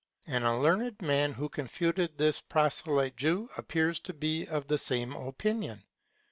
And a learned man who confuted this proselyte Jew appears to be of the same opinion.